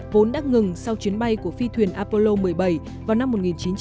vốn đã ngừng sau chuyến bay của phi thuyền apollo một mươi bảy vào năm một nghìn chín trăm bảy mươi